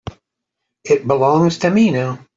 It belongs to me now.